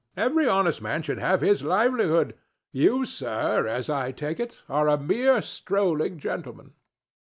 Every honest man should have his livelihood. You, sir, as I take it, are a mere strolling gentleman."